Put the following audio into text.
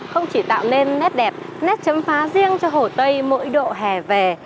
không chỉ tạo nên nét đẹp nét chấm phá riêng cho hồ tây mỗi độ hè về